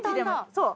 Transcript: そう。